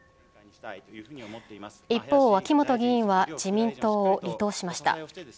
一方、秋本議員は自民党を離党しました。